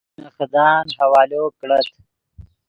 نے خدان حوالو کڑت